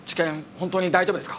本当に大丈夫ですか？